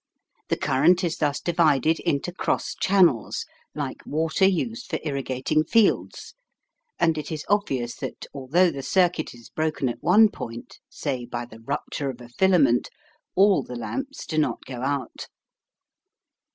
The current is thus divided into cross channels, like water used for irrigating fields, and it is obvious that, although the circuit is broken at one point, say by the rupture of a filament, all the lamps do not go out.